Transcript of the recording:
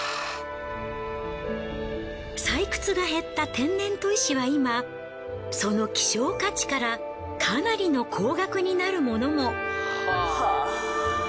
採掘が減った天然砥石は今その希少価値からかなりの高額になるものも。